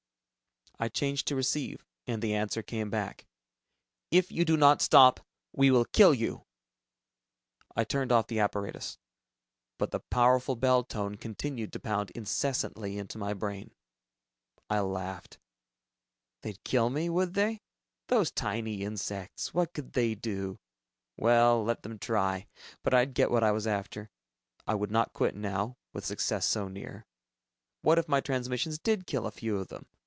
I changed to receive, and the answer came back, "If you do not stop ... we will kill you!" I turned off the apparatus, but the powerful bell tone continued to pound incessantly into my brain. I laughed. They'd kill me ... would they? Those tiny insects ... what could they do? Well let them try, but I'd get what I was after. I would not quit now, with success so near. What if my transmissions did kill a few of them?